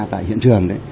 tại hiện trường